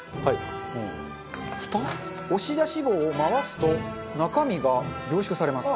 押し出し棒を回すと中身が凝縮されます。